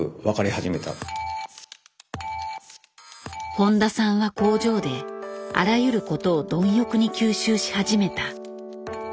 誉田さんは工場であらゆることを貪欲に吸収し始めた。